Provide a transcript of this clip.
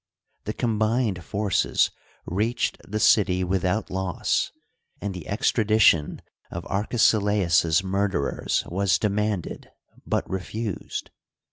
The combined forces reached the city without loss, and the extradition of Arke silaus's murderers was demanded but refused.